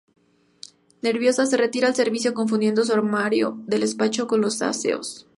Nerviosa, se retira al servicio, confundiendo un armario del despacho con los aseos.